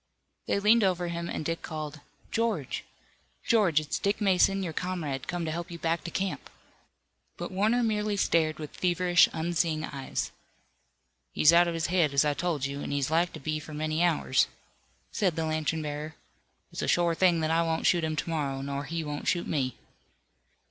They leaned over him, and Dick called: "George! George! It's Dick Mason, your comrade, come to help you back to camp!" But Warner merely stared with feverish, unseeing eyes. "He's out of his head, as I told you, an' he's like to be for many hours," said the lantern bearer. "It's a shore thing that I won't shoot him to morrow, nor he won't shoot me."